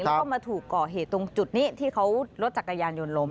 แล้วก็มาถูกก่อเหตุตรงจุดนี้ที่เขารถจักรยานยนต์ล้ม